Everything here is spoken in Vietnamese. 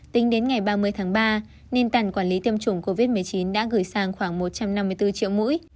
tính đến ngày ba mươi tháng ba nền tàn quản lý tiêm chủng covid một mươi chín đã gửi sang khoảng một trăm năm mươi bốn triệu mũi